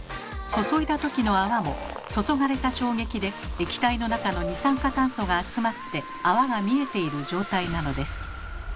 注いだ時の泡も注がれた衝撃で液体の中の二酸化炭素が集まって泡が見えている状態なのです。